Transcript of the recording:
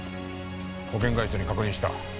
保険会社に確認した。